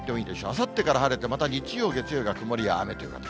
あさってから晴れて、また日曜から月曜が曇りや雨という形。